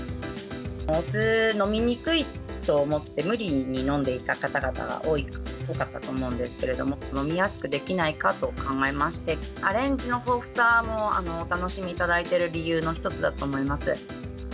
お酢、飲みにくいと思って、無理に飲んでいた方々が多かったと思うんですけれども、飲みやすくできないかと考えまして、アレンジの豊富さも、お楽しみいただいている理由の一つだと思います。